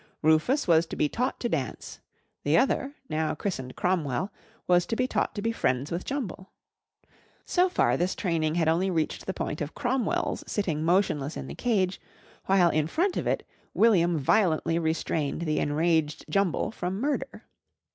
Rufus was to be taught to dance, the other, now christened Cromwell, was to be taught to be friends with Jumble. So far this training had only reached the point of Cromwell's sitting motionless in the cage, while in front of it William violently restrained the enraged Jumble from murder.